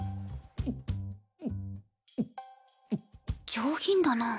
上品だなあ。